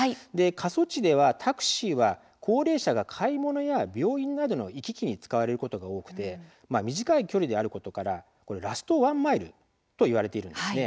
過疎地ではタクシーは高齢者が買い物や病院などの行き来に使うことが多くて短い距離であることからラストワンマイルといわれているんです。